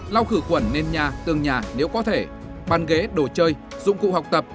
lau khử khuẩn nền nhà tương nhà nếu có thể bàn ghế đồ chơi dụng cụ học tập